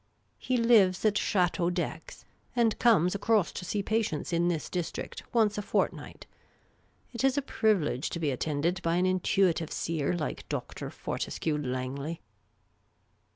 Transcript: He lives at Chateau d'Oex, and comes across to see patients in this district once a fortnight. It is a privilege to be attended by an intuitive seer like Dr. Fortescue Langley.